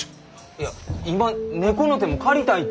いや今「猫の手も借りたい」って！